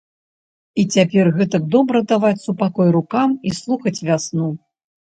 І цяпер гэтак добра даваць супакой рукам і слухаць вясну.